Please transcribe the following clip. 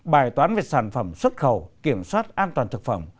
bài toán về sản phẩm xuất khẩu kiểm soát an toàn thực phẩm